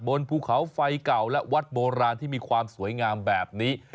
บนภูเขาไฟเก่าและวัดโบราณที่มีความสวยงามแบบนี้